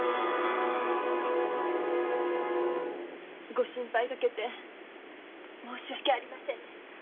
ご心配かけて申し訳ありませんでした。